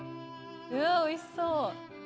うわおいしそう。